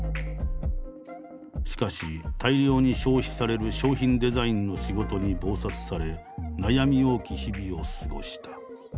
しかし大量に消費される商品デザインの仕事に忙殺され悩み多き日々を過ごした。